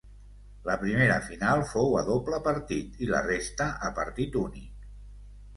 La primera final fou a doble partit i la resta a partit únic.